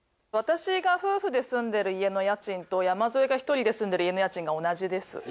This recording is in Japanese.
私が夫婦で住んでる家の家賃と山添が一人で住んでる家の家賃が同じです。